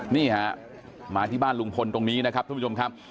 นี่ฮะมาที่บ้านลุงพลตรงนี้นะครับทุกผู้ชมครับ